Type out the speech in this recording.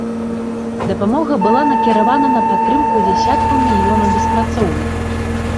Дапамога была накіравана на падтрымку дзясяткаў мільёнаў беспрацоўных.